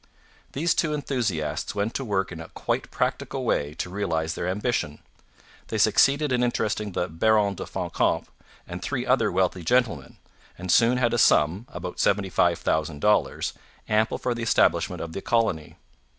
These two enthusiasts went to work in a quite practical way to realize their ambition. They succeeded in interesting the Baron de Fancamp and three other wealthy gentlemen, and soon had a sum about $75,000 ample for the establishment of the colony.